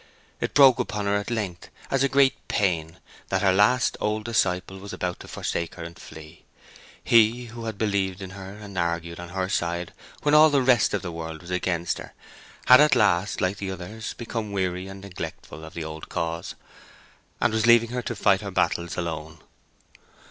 It broke upon her at length as a great pain that her last old disciple was about to forsake her and flee. He who had believed in her and argued on her side when all the rest of the world was against her, had at last like the others become weary and neglectful of the old cause, and was leaving her to fight her battles alone.